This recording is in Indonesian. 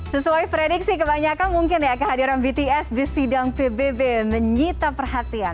sesuai prediksi kebanyakan mungkin ya kehadiran bts di sidang pbb menyita perhatian